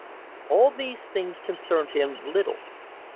All these things concerned him little.